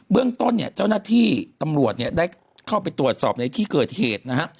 เบื้องต้นเจ้าหน้าที่ตำรวจได้เข้าไปตรวจสอบในที่เกิดเหตุนะฮะ